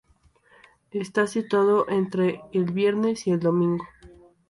Está situado entre el viernes y el domingo.